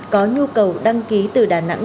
có nhu cầu đăng ký từ đà nẵng